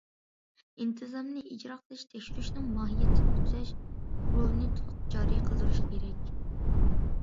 ئىنتىزامنى ئىجرا قىلىش، تەكشۈرۈشنىڭ ماھىيەتتىن تۈزەش رولىنى تولۇق جارى قىلدۇرۇش كېرەك.